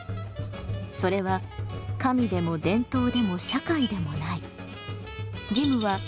それは神でも伝統でも社会でもない。